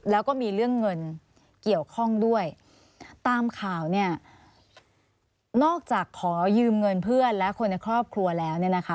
แล้วก็มีเรื่องเงินเกี่ยวข้องด้วยตามข่าวเนี่ยนอกจากขอยืมเงินเพื่อนและคนในครอบครัวแล้วเนี่ยนะคะ